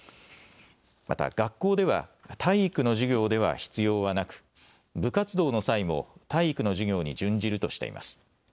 また学校では体育の授業では必要はなく、部活動の際も体育の授業に準じるとしています。